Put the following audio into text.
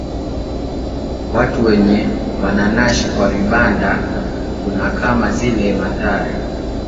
watu wenye wanashi kwa vibanda kuna kama vile mathare